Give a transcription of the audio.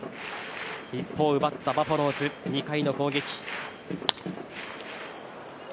一方、奪ったバファローズ２回の攻撃。